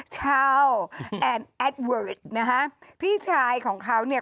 แอนแอดเวิร์ดนะฮะพี่ชายของเขาเนี่ย